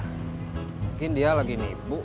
mungkin dia lagi nipu